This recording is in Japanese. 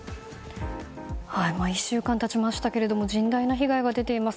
１週間経ちましたが甚大な被害が出ています。